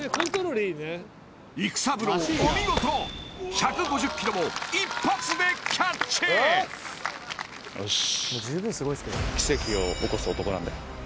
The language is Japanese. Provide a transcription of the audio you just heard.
育三郎お見事１５０キロも一発でキャッチよし！